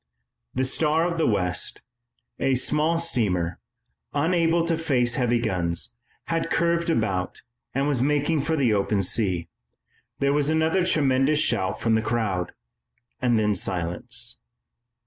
The Star of the West, a small steamer, unable to face heavy guns, had curved about and was making for the open sea. There was another tremendous shout from the crowd, and then silence.